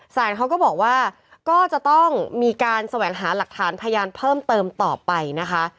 สารเขาก็บอกว่าก็จะต้องมีการแสวงหาหลักฐานพยานเพิ่มเติมต่อไปนะคะ